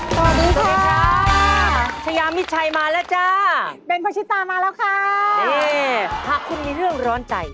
ตอนนี้เค้ามิชัยมาแล้วจ้าบสิตามาเราค่ะเอ่นทักคุณมีเรื่องร้อนใจ